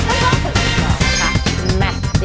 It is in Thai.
ก็เกือบ